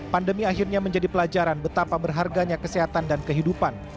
pandemi akhirnya menjadi pelajaran betapa berharganya kesehatan dan kehidupan